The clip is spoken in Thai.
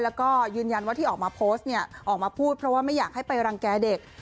แล้วก็ยืนยันว่าที่ออกมาโพสต์เนี่ยออกมาพูดเพราะว่าไม่อยากให้ไปรังแก่เด็ก